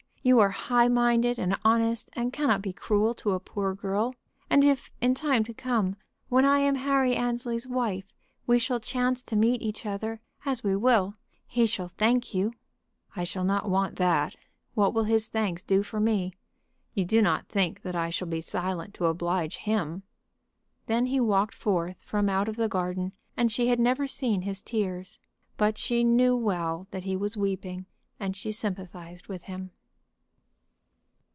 You are high minded and honest, and cannot be cruel to a poor girl. And if in time to come, when I am Harry Annesley's wife, we shall chance to meet each other, as we will, he shall thank you." "I shall not want that. What will his thanks do for me? You do not think that I shall be silent to oblige him?" Then he walked forth from out of the garden, and she had never seen his tears. But she knew well that he was weeping, and she sympathized with him.